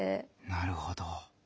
なるほど。